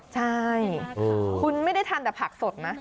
ใช่คุณไม่ได้ทานแต่ผักสดนะ